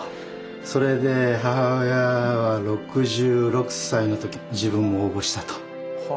それで母親は６６歳の時自分も応募したと。